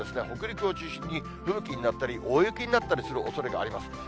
北陸を中心に、吹雪になったり、大雪になったりするおそれもあります。